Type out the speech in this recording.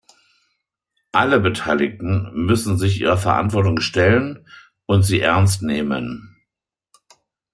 Alle Beteiligten müssen sich ihrer Verantwortung stellen und sie ernst nehmen.